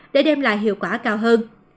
để đem lại hiệu quả cao hơn